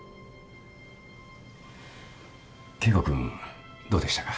圭吾君どうでしたか？